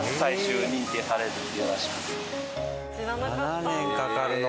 ７年かかるの。